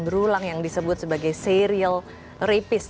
berulang yang disebut sebagai serial rapid